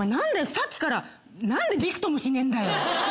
さっきからなんでビクともしねえんだよ。